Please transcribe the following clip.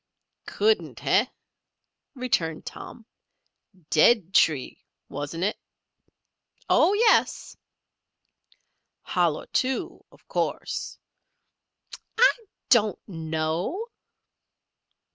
"Couldn't, heh?" returned Tom. "Dead tree, wasn't it?" "Oh, yes." "Hollow, too, of course?" "I don't know."